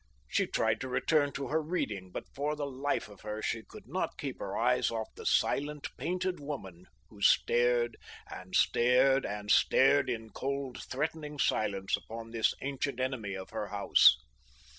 She tried to return to her reading, but for the life of her she could not keep her eyes off the silent, painted woman who stared and stared and stared in cold, threatening silence upon this ancient enemy of her house.